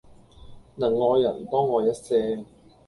能愛人，多愛一點。